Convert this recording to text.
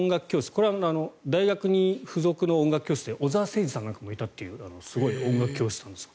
これは大学に付属の音楽教室で小澤征爾さんなんかもいたというすごい音楽教室です。